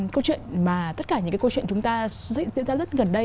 câu chuyện mà tất cả những cái câu chuyện chúng ta diễn ra rất gần đây